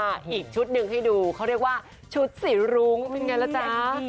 อีกชุดหนึ่งให้ดูเขาเรียกว่าชุดสีรุ้งเป็นไงล่ะจ๊ะ